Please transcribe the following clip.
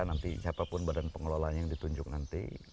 nanti siapapun badan pengelolanya yang ditunjuk nanti